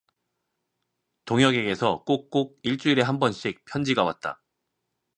동혁에게서 꼭꼭 일주일에 한 번씩 편지가 왔다.